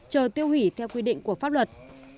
chờ tiêu hủy theo quy định của pháp luật